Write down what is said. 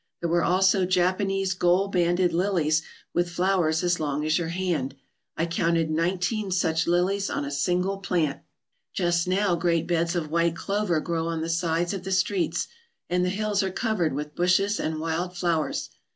There were also Japanese gold banded lilies with flowers as long as your hand. I counted nine teen such lilies on a single plant. Just now great beds of white clover grow on the sides of the streets, and the hills are covered with bushes and wild flowers.